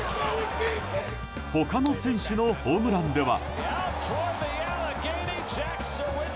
他の選手のホームランでは。